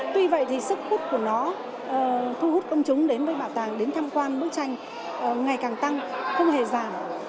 tuy vậy thì sức khúc của nó thu hút công chúng đến với bảo tàng đến tham quan bức tranh ngày càng tăng không hề giảm